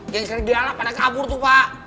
gengseir di alam pada kabur tuh pak